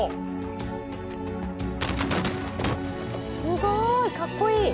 すごいかっこいい！